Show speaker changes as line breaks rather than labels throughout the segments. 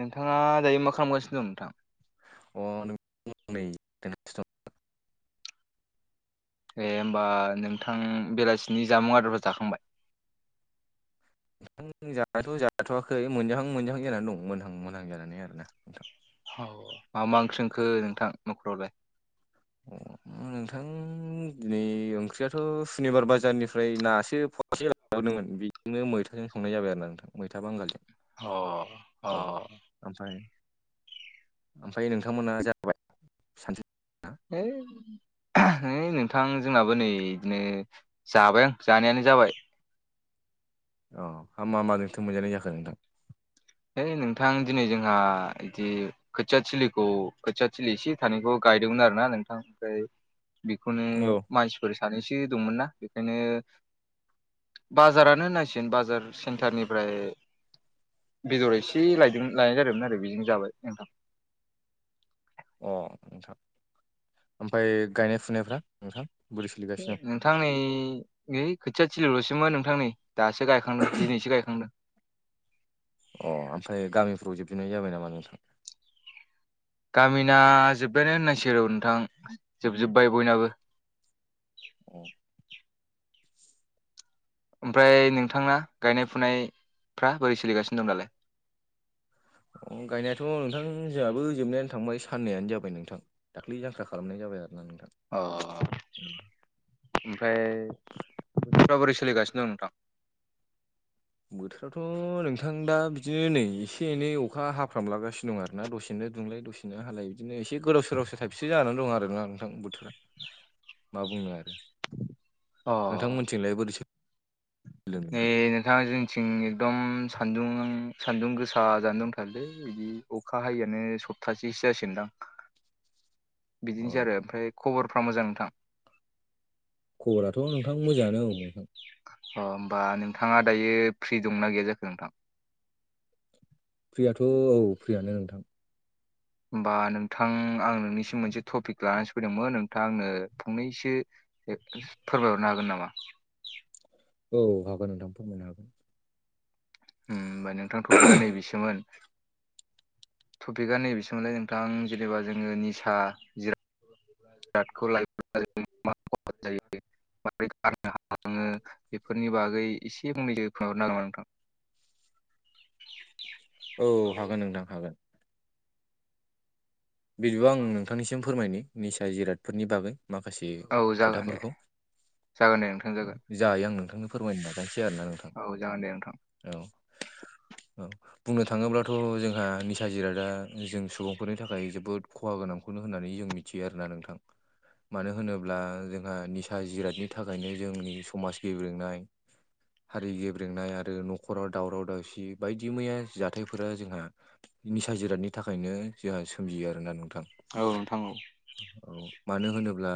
नोंथाङा दायो मा खालामगासिनो दं नोंथां?
अ [unintelligible]
दे होमबा नोंथां बेलासिनि जामुं आदारफोर जाखांबाय?
नोंथां जाथ' जाथ'आाखै मोनजाहां मोनाहां जानानै दं मोनहां मोनहां जानानै आर ना नोंथां।
औ मा मा ओंख्रि सोंखो नोंथां न'खरावलाय? [inaudible]
अ नोंथां दिनै ओंख्रियाथ' सुनिबार बाजारनिफ्राय नासो फसे ला हावदोंमोन बेजोंनो मैथाजों संनाय जाबाय आरोा नोंथां मैथा बांगालजों
अ अ
औ ओमफ्राय ओमफ्राय नोंथांमोना जाबाय? सानसु
है है नोंथां जोंनाबो नै बिदिनो जाबाय आं जानायानो जाबाय
अ हा मा मा नोंथों मोनजानाय जाखो नोंथां?
है नोंथां दिनै जोंहा बिदि खोथिया थिलिखौ खोथिया थिलि एसे थानायखौ गायदोंमोन आरो ना नोंथां ओमफ्राय बेखौनो
औ
मानसिफोर सानैसो दंमोनना नोङो बाजारानो होनांसिगोन बाजार सेन्टारनिफ्राय बेदर एसे लायदों लायनाय जादोंमोन आरो बेजोंनो जाबाय नोंथां।
अ नोंथां ओमफ्राय गायनाय फुनायफ्रा नोंथां बोरै? सोलिगासिनो
नोंथां नै ओय खोथिया थिलिल'सैमोन नोंथां‌ नै दासो गायखांदों दिनैसो गायखांदों।
अ ओमफ्राय गामिफ्राव जोबजोबनाय जाबाय नामा नोंथां?
गामिना जोब्बायानो होननांसिगोन औ नोंथां जोबजोब्बाय बयनाबो।
ओमफ्राय
ओमफ्राय
नोंथाङा गायनाय
नोंथांना
फुनाया
गायनाय फुनायफ्रा बोरै सोलिगासिनो दं दालाय?
अ गायनायाथ' नोंथां जोंहाबो जोबनानै थांबाय साननैयानो जाबाय नोंथां दाख्लि जांख्रा खालामनाय जाबाय आरो ना नोंथां।
अ ओमफ्राय माबोरै सोलिगासिनो दं नोंथां?
बोथोराथ' नोंथां दा बिदिनो नै एसे एनै अखा हाफ्राम लागासिनो दं आरोना दसेनो दुंलाय दसे नो हालाय बिदिनो एसे गोदाव सोरावसो [unintelligible] जानानै दं आरोना नोंथां बोथोरा मा बुंनो आरो
अ
नोंथांमोनथिंलाय बोरै सो
नै नोंथां जों थिं एकदम सान्दुं सान्दुं गोसा जानानै दंथारलै बिदि अखा हायैआनो सप्तासेसो जासिगोनदां!
अ
बिदिनोसै आरो ओमफ्राय खबरफ्रा मोजां नोंथां?
खबराथ' नोंथां मोजाङानो औ नोंथां
अ होमबा नोंथाङा दायो फ्रि दंना गैया जाखो नोंथां?
फ्रियाथ' औ फ्रियानो नोंथां।
होमबा नोंथां आं नोंनिसिम मोनसे टपिक लानानैसो फैदोंमोन नोंथाङा आंनो फंनैसो फोरमायहरनो हागोन नामा?
औ हागोन नोंथां फोरमायनो हागोन
ओम होमबा नोंथां थपिकाआ नैबेसोमोन टपिकआ नैबेसोमोनलै नोंथां जेनेबा जोङो निसा जिराद
[inaudible]
खौ ला बोद गाज्रि [inaudible] नोङो बेफोरनि बागै एसे फंनैसो फोरमायहरनो हागोन नामा नोंथां?
औ हागोन नोंथां हागोन। बिदिबा आं नोंथांनिसिम फोरमायनो निसा जिरादफोरनि बागै माखासे
औ जागोन दे
खोथाफोरखौ
जागोन दे नोंथां जागोन।
जा हायो आं नोंथांनो फोरमायनो नाजानोसै आरो ना नोंथां।
औ जागोन दे नोंथां।
औ। औ बुंनो थाङोब्लाथ' जोंहा निसा जिरादआ जों सुबुंफोरनि थाखाय जो बोद खहा गोनांखौनो होननानै जों मिथियो आरोना नोंथां। मानो होनोब्ला जोंहा निसा जिरादनि थाखायनो जोंनि समाज गेब्रेंनाय हारि गेब्रेंनाय आरो नखराव दावराव दावसि बायदि मैया जाथायफोरा जोंहा निसा जिरादनि थाखायनो जोंहा सोमजियो आरोना नोंथां।
औ नोंथां औ।
औ मानो होनोब्ला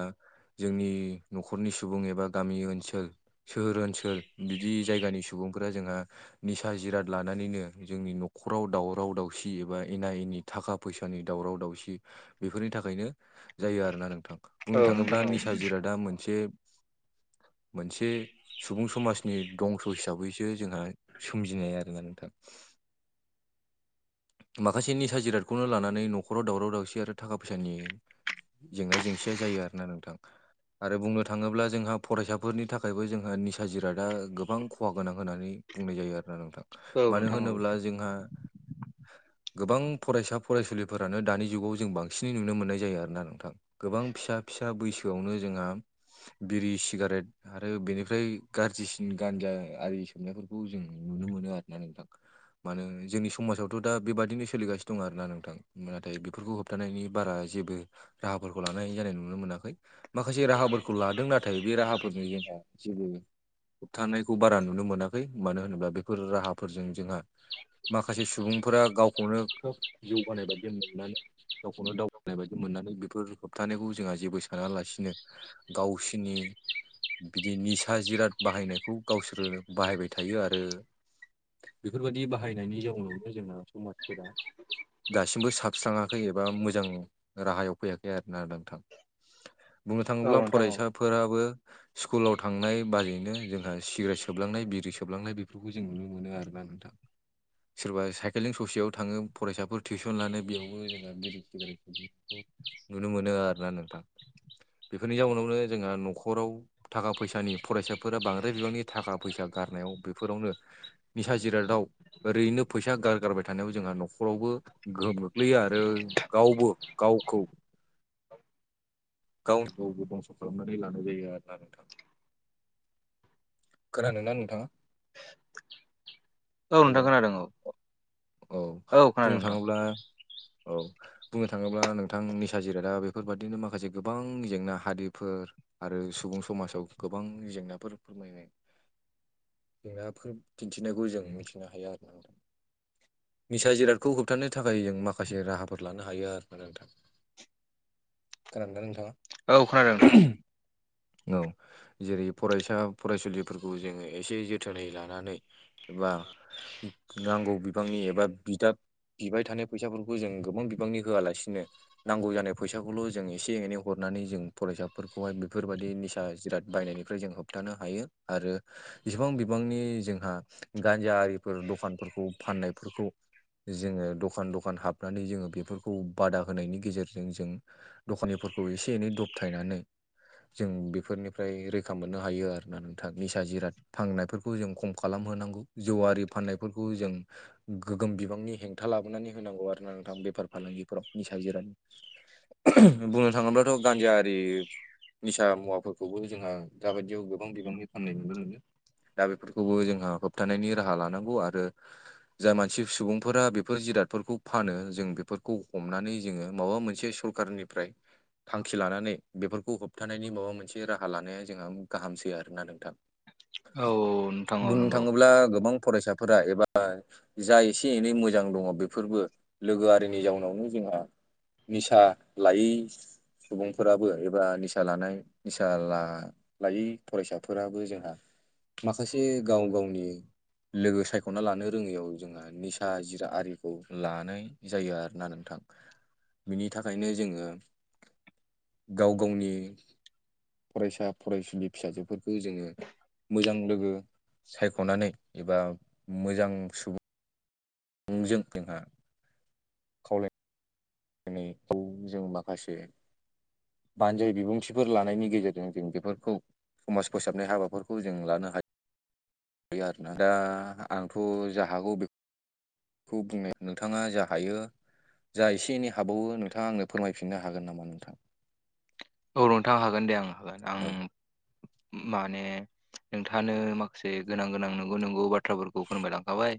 जोंनि नखरनि सुबुं एबा गामि ओनसोल सोहोर ओनसोल बिदि जायगानि सुबुंफोरा जोंहा निसा जिराद लानानैनो जोंनि नखराव दावराव दावसि एबा एना एनि थाखा फैसानि दावराव दावसि बेफोरनि थाखायनो जायो आरोना नोंथां।
औ
बुंनो
नोंथां
थाङोब्ला
औ
निसा जिरादा मोनसे मोनसे सुबुं समाजनि दंस' हिसाबैसो जोंहा सोमजिनाय आरोना नोंथां। माखासेनि साजिरादखौनो लानानै न'खराव दावराव दावसि आरो थाखा फैसानि जेंना जेंसिया जायो आरो ना नोंथां। आरो बुंनो थाङोब्ला जोंहा फरायसाफोरनि थाखायबो जोंहा निसा जिरादा गोबां खहा गोनां होनानै बुंनाय जायो आरोना नोंथां।
औ
मानो
नोंथां औ
होनोब्ला जोंहा गोबां फरायसा फरायसुलिफोरानो दानि जुगाव जों बांसिनै नुनो मोननाय जायो आरोना नोंथां गोबां फिसा फिसा बैसोआवनो जोंहा बिरि सिगारेट आरो बेनिफ्राय गाज्रिसिन गानजा आरि सोमनायफोरखौ जों नुनो मोनो आरोना नोंथां। मानो जोंनि समाजावथ' दा बेबादिनो सोलिगासिनो दं आर ना नोंथां। नाथाय फोरफोरखौ होबथानायनि बारा जेबो राहाफोरखौ लानाय जानाय नुनो मोनाखै। माखासे राहाफोरखौ लादों नाथाय बे राहाफोरनि जोंहा जेबो होबथानायखौ बारा नुनो मोनाखै मानो होनोब्ला बेफोर राहाफोरजों जोंहा माखासे सुबुंफोरा गावखौनो खोब जौगानाय बादि नुनानै गावखौनो दावगानाय बायदि मोननानै बेफोर होबथानायखौ जोंहा जेबो सानालासिनो गावसिोरनि बिदि निसा जिराद बाहायनायखौ गावसोरो बाहायबाय थायो आरो। बेफोरबायाददि बाहायनायनि जाउनावनो जोंना समाजफोरा दासिमबो साबस्राङाखै। एबा मोजां राहायाव फैयाखै आरोना नोंथां। बुंनो
औ
थाङोब्ला
नोंथां औ
फरायसा फोराबो स्कुलाव थांनाय बाजैनो जोंहा सिगारेट सोबलांनाय बिरि सोबलांनाय बेफोरखौ जों नुनो मोनो आरो ना नोंथां।
[inaudible]
सोरबा साइकलिं ससेयाव थाङो फरायसाफोर टिउसन लानो बेयावबो जोङो बिरि सिगारेट सोबनाय नुनो मोनो आर ना नोंथां। बेफोरनि जाउनावनो जोंहा न'खराव थाखा फैसानि फरायसाफोरा बांद्राय बिबांनि थाखा फैसा गारनायाव बेफोरावनो निसा जिरादाव ओरैनो फैसा गारगारबाय थानायाव जोंहा न'खरावबो गोहोम गोग्लैयो आरो आरो गावबो गावखौ गावनो गावबो बंस' खालामनानै लानाय जायो आर ना नोंथां। खोनान ना नोंथाङा।
औ
हेल'
नोंथां खोनादों औ
औ
खोनादों
बुंनो
नोंथां
थाङोब्ला औ बुंनो थाङोब्ला नोंथां निसा जिरादा बेफोरबादिनो माखासे गोबां जेंना हारिफोर आरो सुबुं समाजाव गोबां जेंनाफोर फोरमायनाय जेंनाफोर दिन्थिनायखौ जों मिथिनो हायो आरो न निसा जिरादखौ होबथानो थाखाय जों माखासे राहाफोर लानो हायो आरो ना नोंथां खोनादों नोंथाङा
औ खोनादों
औ जेरै फरायसा फरायसुलिफोरखौ जोङो एसे जोथोनै लानानै एबा नांगौ बिबांनि एबा बिदाब बिबाय थानाय फैसाफोरखौ जों गोबां बिबांनि होआलासिनो नांगौ जानाय फैसाखौल' जों एसे एनै हरनानै जों फरायसाफोरखौहाय बेफोरबायदि निसा जिराद बायनायनिफ्राय जों होबथानो हायो आरो
औ
इसिबां बिबांनि जोंहा गान्जा आरिफोर दखानफोरखौ फाननायफोरखौ जोङो दखान दखान हाबनानै जोङो बेफोरखौ बादा होनायनि गेजेरजों जों दखानिफोरखौ एसे एनै दबथायनानै जों बेफोरनिफ्राय रैखा मोननो हायो आरोोना नोंथां निसा जिराद फाननायफोरखौ जों खम खालामहोनांगौ जौ आरि फाननायफोरखौ जों गोगोम बिबांनि हेंथा लाबोनानै होनांगौ आरो ना नोंथां बेफार फालांगिफोराव निसा जिराद बुंनो थाङोब्लाथ' गान्जायि निसा मुवाफोरखौबो जोंहा दाबायदियाव गोबां बिबांनि फाननाय नुनो मोनो। दा बेफोरखौबो जोंहा होबथानायनि राहा लानांगौ आरो
[inaudible]
जाय मानसि सुबुंफोरा बेफोर जिरादफोरखौ फानो जों बेफोरखौ हमनानै जोङो माबा मोनसे सरखारारनि ओमफ्राय थांखि लानानै बेफोरखौ होबथानायनि माबा मोनसे राहा लानाया जोंहा गाहामसै आरोना नोंथां।
नोंथां औ
बुंनो
नंगौ
थाङोब्ला गोबां फरायसाफोरा एबा जा एसे एनै मोजां दङ बेफोरबो लोगोआरिनि जाउनावनो जोंहा निसा लायै सुबुंफोराबो एबा निसा निसा लानाय निसा लायै फरायसाफोराबो जोंहा माखासे गाव गावनि लोगो सायख'ना लानो रोङैयाव जोंहा निसा जिरा आरिखौ लानाय जायो आरोोना नोंथां। बिनि थाखायनो जोङो गाव गावनि फरायसा फरायसुलि फिसाजोफोरखौ जोङो मोजां लोगो सायख'नानै एबा मोजां सुबुं मजों जोंहा खावलाय [unintelligible] दिनैखौ जों माखासे [unintelligible] [unintelligible] बानजाय बिबुंथिफोर लानायनि गेजेरजों जों बेफोरखौ समाज फोसाबनाय हाबाफोरखौ जों लानो हायो। आरोोना दा आंथ' जा हागौ बे खौ बुंनाय नोंथाङा जा हायो जा एसे एनै हाबावो नोंथाङा आंनो फोरमायफिननो हागोन नामा नोंथां?
औ नोंथां हागोन दे आं हागोन आं
औ
माने नोंथाङानो माखासे गोनां गोनां नंगौ नंगौ बाथ्रा बाथ्राफोरखौ फोरायलांखाबाय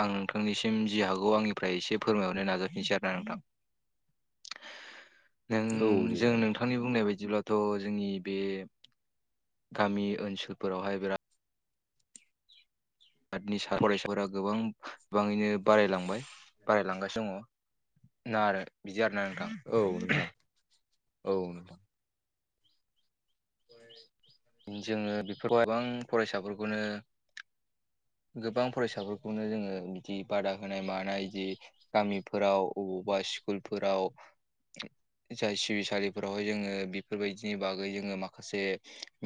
आं नोंथांनिसिम जि हागौ आंनिफ्राय एसे फोरमायहरनो नाजाफिनसै आरो ना नोंथां।
औ
नों
दे जागोन
जोंोंथ [unintelligible]
नोंथां।
नि बुंनाय बायदिब्लाथ' जोंनि बे गामि ओनसोलफोरावहाय बिराद आरोनि स फरायसाफोरा गोबां गोबाङैनो बारायलांबाय बारायलांगासिनो दङ। नार [unintelligible] बिदि आर आरो न नोंथां।
औ नोंथां औ नोंथां। [unintelligible]
जोङो बेफोरखौ गोबां फरायसाफोरखौनो गोबां फरायसाफोरखौनो जोङो बिदि बादा होनाय मानाय जि गामिफोराव अबावबा स्कुलफोराव जाय सिबिसालिफोरावहाय जोङो बेफोरबायदिनि बागै जोङो माखासे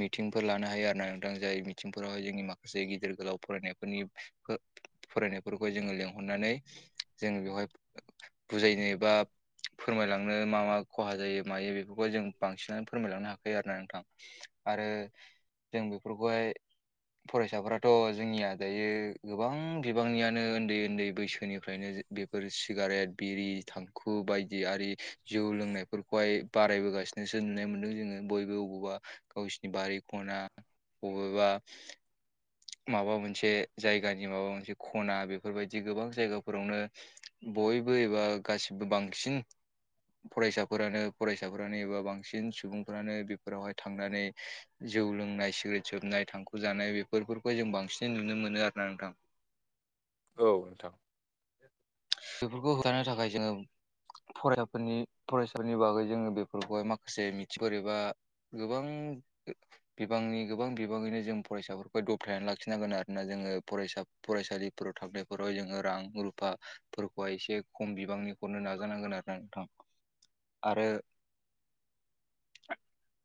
मिथिंफोर लानो हायो आरो ना नोंथां जाय मिथिंफोरावहाय जोंनि माखासे गिदिर गोलाव फरायनायफोरनि फरायनायफोरखौ जोङो लिंहरनानै जोङो बेवहाय बुजायनो बा फोरमायलाां नोंनो मा खहा जायो मायो बेफोरखौ जों बांसिनानो फोरमायलांनो हायाखै आरो ना नोंथां। आरो जों बेफोरखौहाय फरायसाफोराथ' जोंनिया दायो गोबां बिबांनियानो उन्दै उन्दै बैसोनिफ्रायनो बेफोर सिगारेट बिरि थांखु बायदि आरि जौ लोंनायफोरखौहाय बारायबोगासिनो [unintelligible] मोनदों जोङो। बयबो बबावबा गावसिोरनि बारि खना बबावबा माबा मोनसे जायगानि माबा मोनसे खना बे- बेफोरबायदि गोबां जायगाफोरावनो बयबो एबा गासिबो बांसिन फरायसाफोरानो फरायसाफोरानो एबा बांसिन सुबुंफ्रानो बेफोरावहाय थांनानै जौ लोंनाय सिग्रेट सोबनाय थांखु जानाय बेफोरखौ जों बांसिन नुनो मोनो आरो ना नोंथां।
औ नोंथां।
बेफोरखौ होबथानो थाखाय जोङो फरायसाफोरनि फरायसाफोरनि बागै जोङो बेफोरखौहाय माखा- से मिथिगर एबा गोबां बिबांनि गोबां बिबाङैनो जों फरायसाफोरखौ दबथायनानै लाखिनांगोन आरोना जोङो फरायसा फरायसालिफोराव थांनायफोराव जोङो रां-रुफा एसे खम बिबांनि हरनो नाजानांगोन आरो ना नोंथां। आरो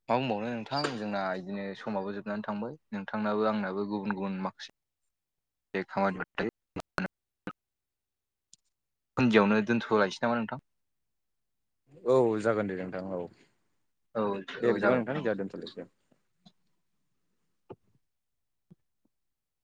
मा बुंबावनो नोंथां जोंना बिदिनो समाबो जोबनानै थांबाय नोंथांनाबो आंनाबो गुबुन गुबुन माखासे [unintelligible] [unintelligible] दोनथ'लायनोसै नामा नोंथां?
औ जागोन दे नोंथां औ
औ
दे
औ
बिदिबा
जाबाय
नोंथां जोंहा दोनथ'लायनिसै